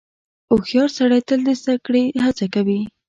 • هوښیار سړی تل د زدهکړې هڅه کوي.